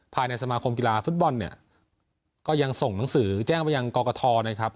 ภายในสมาคมกีฬาฟุตบอลเนี่ยก็ยังส่งหนังสือแจ้งไปยังกรกฐนะครับ